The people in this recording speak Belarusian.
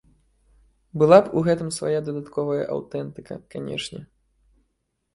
Была б у гэтым свая дадатковая аўтэнтыка, канешне.